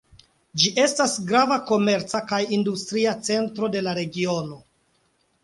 Ĝi estas grava komerca kaj industria centro de la regiono.